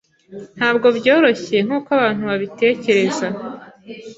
Ntabwo byoroshye nkuko abantu babitekereza.